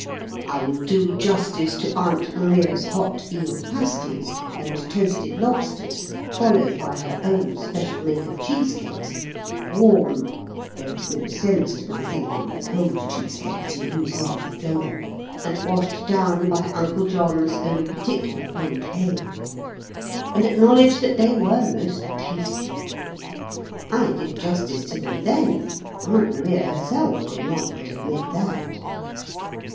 I will do justice to Aunt Maria's hot veal pasties, and toasted lobsters, followed by her own special make of cheesecakes, warm (there is no sense, to my thinking, in cold cheesecakes; you lose half the flavour), and washed down by Uncle John's own particular old ale, and acknowledge that they were most tasty. I did justice to them then; Aunt Maria herself could not but admit that.